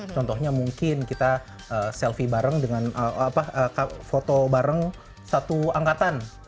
contohnya mungkin kita selfie bareng dengan foto bareng satu angkatan